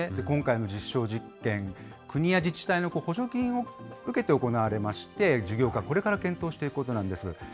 今回の実証実験、国や自治体の補助金を受けて行われまして、事業化、これから検討していくということなんです。